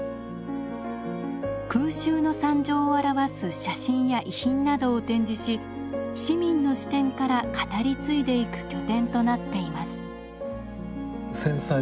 空襲の惨状を表す写真や遺品などを展示し市民の視点から語り継いでいく拠点となっています。